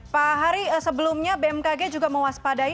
pak hari sebelumnya bmkg juga mewaspadai